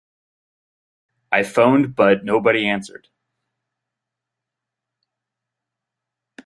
I phoned but nobody answered.